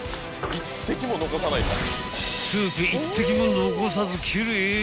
［スープ一滴も残さず奇麗に平らげた］